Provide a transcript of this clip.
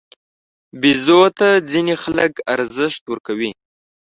بیزو ته ځینې خلک ارزښت ورکوي.